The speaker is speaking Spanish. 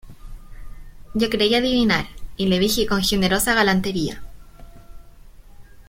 yo creí adivinar, y le dije con generosa galantería: